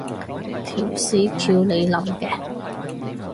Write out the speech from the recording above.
條屎橋你諗嘅？